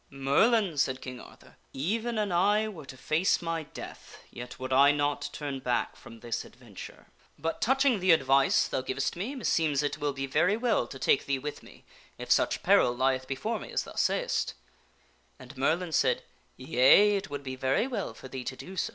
" Merlin," said King Arthur, " even an I were to face my death, yet would I not turn back from this adventure. But touching the advice thou givest me, meseems it will be very well to take thee with me if such peril lieth before me as thou sayest" And Merlin said, " Yea, it would be very well for thee to do so."